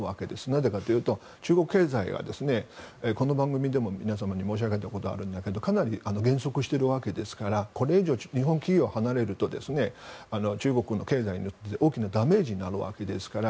なぜかというと中国経済がこの番組でも皆様に申し上げたことがありますがかなり減速していますからこれ以上、日本企業が離れると中国の経済に大きなダメージになるわけですから。